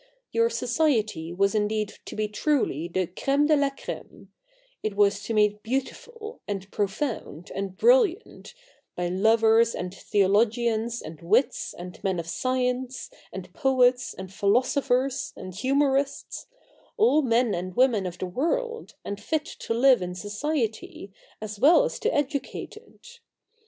Your society was indeed to be truly the crane de la a eme : it was to be made beautiful, and profound, and brilliant, by lovers, and theologians, and wits, and men of science, and poets, and philosophers, and humourists — all men and women of the world, and fit to live in society, as well as to educate it.